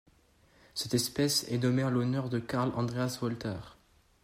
Cette espèce est nommée en l'honneur de Karl Andreas Wolter.